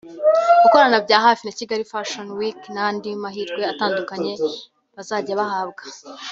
gukorana bya hafi na Kigali Fashion Week n’andi mahirwe atandukanye bazajya bahabwa